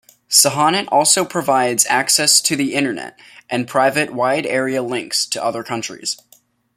Sohonet also provides access to the Internet, and private wide-area links to other countries.